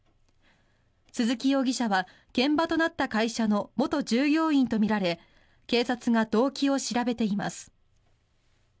鈴木容疑者は現場となった会社の元従業員とみられ警察が動機を調べています。